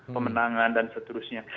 pemenangan dan seterusnya